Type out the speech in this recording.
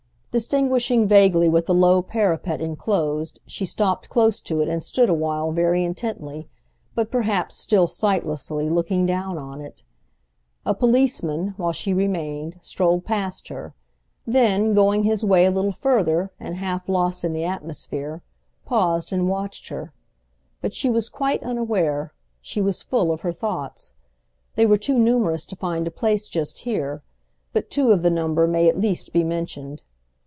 Distinguishing vaguely what the low parapet enclosed she stopped close to it and stood a while very intently, but perhaps still sightlessly, looking down on it. A policeman; while she remained, strolled past her; then, going his way a little further and half lost in the atmosphere, paused and watched her. But she was quite unaware—she was full of her thoughts. They were too numerous to find a place just here, but two of the number may at least be mentioned.